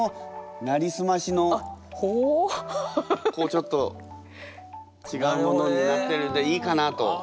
ちょっと違うものになってるんでいいかなと。